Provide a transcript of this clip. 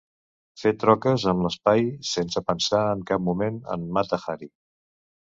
Fer troques amb l'aspi sense pensar en cap moment en Mata-Hari.